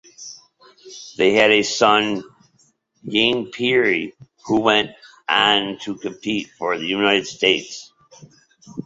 They had a son, Jean-Pierre, who went on to compete for the United States.